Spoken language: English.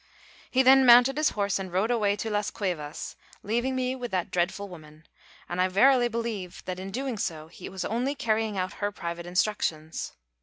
He then mounted his horse and rode away to Las Cuevas, leaving me with that dreadful woman; and I verily believe that in doing so he was only carrying out her private instructions.